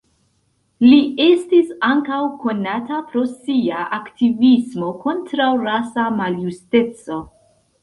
Li estis ankaŭ konata pro sia aktivismo kontraŭ rasa maljusteco.